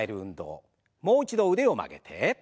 もう一度腕を曲げて。